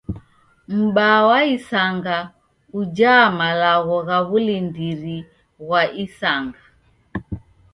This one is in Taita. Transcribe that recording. M'baa wa isanga ujaa malagho gha w'ulindiri ghwa isanga.